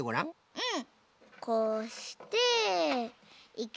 うん。